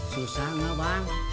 susah gak bang